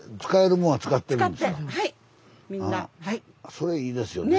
それいいですよね。